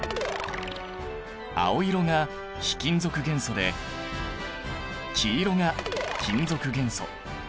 青色が非金属元素で黄色が金属元素。